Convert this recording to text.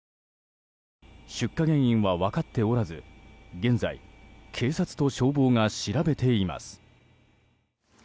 出火原因は分かっておらず現在警察と消防が調べています。